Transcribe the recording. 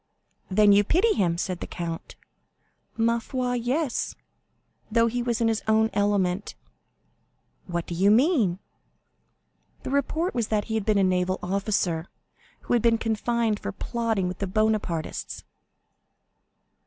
"Then you pity him?" said the count. "Ma foi, yes; though he was in his own element." "What do you mean?" "The report was that he had been a naval officer, who had been confined for plotting with the Bonapartists."